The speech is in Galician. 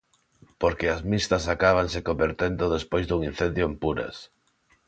Porque as mixtas acábanse convertendo despois dun incendio en puras.